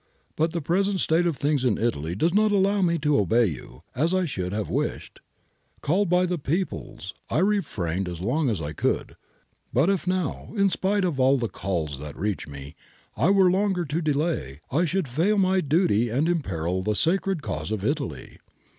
But the present state of things in Italy does not allow me to obey you, as I should have wished. Called by the peoples {chiamato dai popoli) I refrained as long as I could. But if now, in spite of all the calls that reach me, I were longer to delay, I should fail in my duty and imperil the sacred cause of Italy.